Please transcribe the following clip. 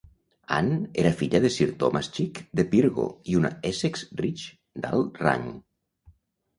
Anne era filla de Sir Thomas Cheeke de Pirgo i una Essex Rich d'alt rang.